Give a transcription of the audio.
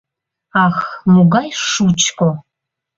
Ах, могай шучко!..